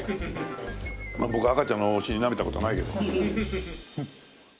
まあ僕赤ちゃんのお尻なめた事ないけど。